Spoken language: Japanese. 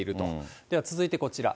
では続いてこちら。